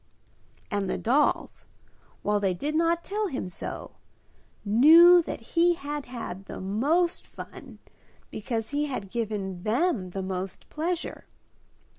And the dolls, while they did not tell him so, knew that he had had the most fun because he had given them the most pleasure.